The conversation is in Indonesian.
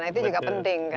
itu juga penting kan